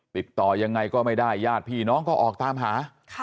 ติดต่อยังไงก็ไม่ได้ญาติพี่น้องก็ออกตามหา